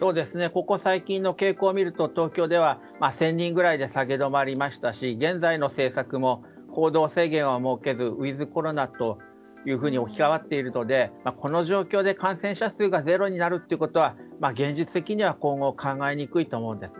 ここ最近の傾向を見ると東京では、１０００人ぐらいで下げ止まりましたし現在の政策も行動制限は設けずウィズコロナというふうに置き換わっているのでこの状況で感染者数がゼロになるのは現実的には今後、考えにくいと思うんです。